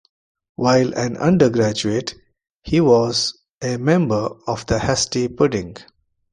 While an undergraduate, he was a member of the Hasty Pudding.